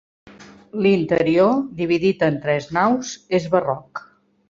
L'interior, dividit en tres naus, és barroc.